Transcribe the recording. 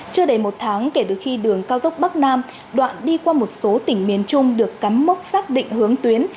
chưa đầy một tháng kể từ khi đường cao tốc bắc nam đoạn đi qua một số tỉnh miền trung được cắm mốc xác định hướng tuyến